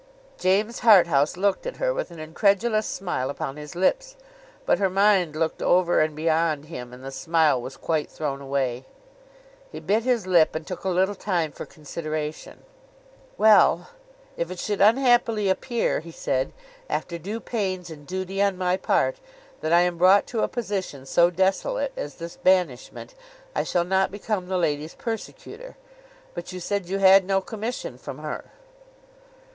James Harthouse looked at her with an incredulous smile upon his lips; but her mind looked over and beyond him, and the smile was quite thrown away. He bit his lip, and took a little time for consideration. 'Well! If it should unhappily appear,' he said, 'after due pains and duty on my part, that I am brought to a position so desolate as this banishment, I shall not become the lady's persecutor. But you said you had no commission from her?